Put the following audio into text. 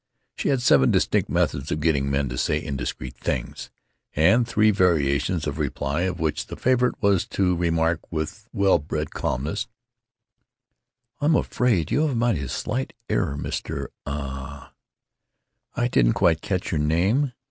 She had seven distinct methods of getting men to say indiscreet things, and three variations of reply, of which the favorite was to remark with well bred calmness: "I'm afraid you have made a slight error, Mr. Uh—— I didn't quite catch your name?